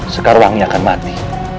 sekarwangi akan mati